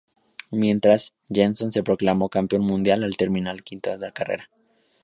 Mientras, Jenson se proclamó campeón mundial al terminar quinto la carrera.